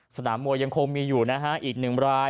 สนามมวยยังคงมีอยู่นะฮะอีกหนึ่งราย